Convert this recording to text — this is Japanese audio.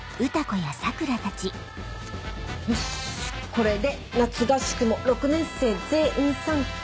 よしこれで夏合宿も６年生全員参加。